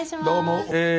どうも。